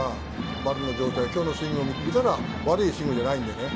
丸の状態、今日のスイングを見たら、悪いスイングじゃないんでね。